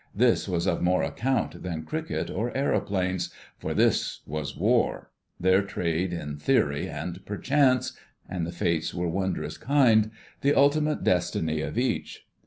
This was of more account than cricket or aeroplanes, for this was War, their trade in theory, and, perchance—and the Fates were wondrous kind—the ultimate destiny of each.